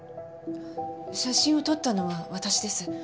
写真を撮ったのは私です。